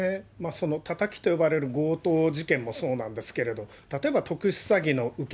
そのたたきと呼ばれる強盗事件もそうなんですけれど、例えば特殊詐欺の受け